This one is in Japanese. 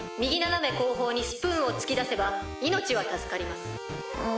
斜め後方にスプーンを突き出せば命は助かります。